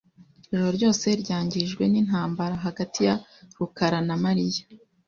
Ijoro ryose ryangijwe nintambara hagati ya rukarana Mariya.